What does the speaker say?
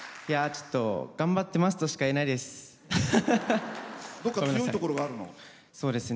ちょっと頑張ってますとしか言えないです。